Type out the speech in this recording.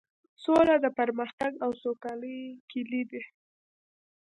سوله د پرمختګ او سوکالۍ کیلي ده.